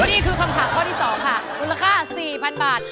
อันนี้คือคำถามข้อที่๒ค่ะรูปราคา๔๐๐๐บาท